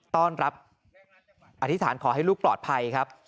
ต้อนรับอธิษฐานขอให้ลูกปลอดภัยครับ